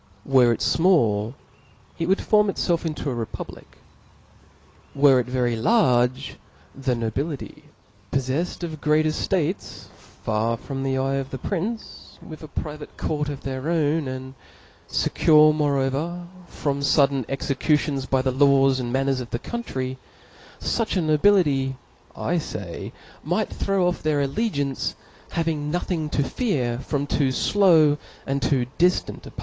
Were it fmall, it would form itfelf into a republic : were it very large, the nobility, poffefled of great eftates, far from the eye of the prince, with a private court of their own, and fe cure moreover from fudden executions by the laws and manners of the country, fuch a nobility, I fay, might throw off their allegiance, having nothing to fear from too flow and too diftant a punllh ment.